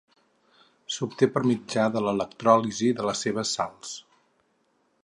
S'obté per mitjà de l'electròlisi de les seves sals.